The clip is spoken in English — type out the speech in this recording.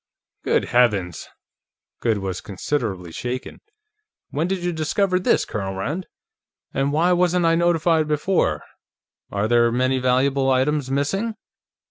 "Good heavens!" Goode was considerably shaken. "When did you discover this, Colonel Rand? And why wasn't I notified before? And are there many valuable items missing?"